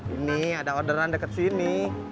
ini ada orderan dekat sini